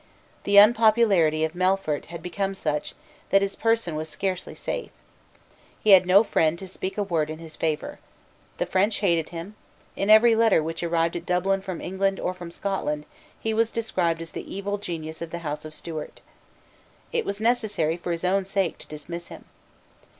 The unpopularity of Melfort had become such, that his person was scarcely safe. He had no friend to speak a word in his favour. The French hated him. In every letter which arrived at Dublin from England or from Scotland, he was described as the evil genius of the House of Stuart. It was necessary for his own sake to dismiss him.